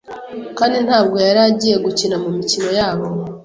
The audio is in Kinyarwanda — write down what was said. kandi ntabwo yari agiye gukina mumikino yabo,